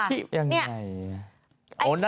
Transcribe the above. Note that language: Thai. คีบยังไง